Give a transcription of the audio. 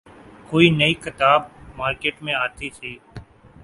کوئی نئی کتاب مارکیٹ میں آتی تھی۔